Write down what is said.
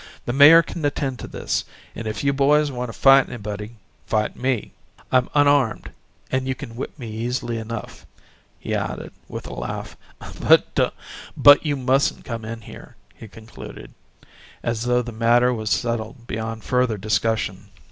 "The mayor can attend to this. If you boys want to fight anybody, fight me. I'm unarmed and you can whip me easily enough," he added with a laugh, "but you mustn't come in here," he concluded, as though the matter was settled beyond further discussion.